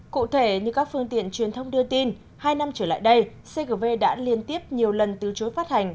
cụ thể như các phương tiện truyền thông đưa tin hai năm trở lại đây cgv đã liên tiếp nhiều lần từ chối phát hành